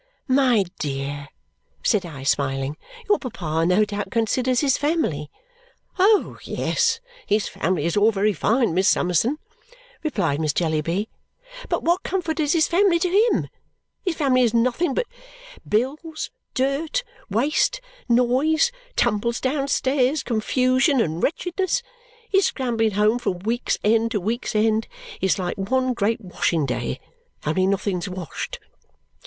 "My dear!" said I, smiling. "Your papa, no doubt, considers his family." "Oh, yes, his family is all very fine, Miss Summerson," replied Miss Jellyby; "but what comfort is his family to him? His family is nothing but bills, dirt, waste, noise, tumbles downstairs, confusion, and wretchedness. His scrambling home, from week's end to week's end, is like one great washing day only nothing's washed!"